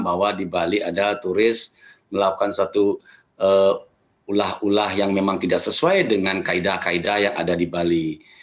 bahwa di bali ada turis melakukan suatu ulah ulah yang memang tidak sesuai dengan kaedah kaedah yang ada di bali